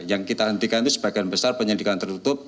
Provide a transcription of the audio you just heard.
yang kita hentikan itu sebagian besar penyelidikan tertutup